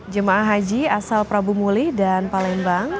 jemaah haji asal prabu mulih dan palembang